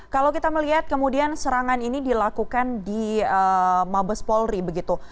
kalau kita melihat kemudian serangan ini dilakukan di mabes polri begitu